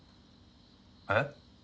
えっ？